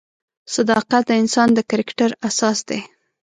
صداقت د انسان د کرکټر اساس دی.